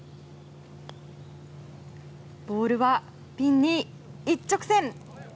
ボールはピンに一直線。